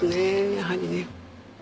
やはりね。